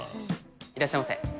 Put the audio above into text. いらっしゃいませ。